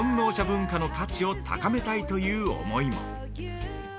文化の価値を高めたいという思いも◆